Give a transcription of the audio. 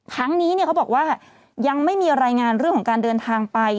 เขาบอกว่ายังไม่มีรายงานเรื่องของการเดินทางไป